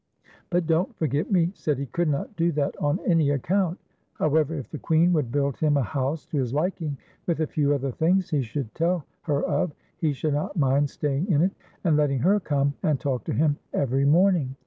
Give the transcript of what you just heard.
FAIRIE AXD nROU'XIE. 189 Rwt Don't For:^ct Mc said he could not do that on an\ account ; however, if the Queen would build iiini a house to his liking, with a few other things he should tell her of, he should not mind sta}'ing in it, and letting her come and talk to him every morning.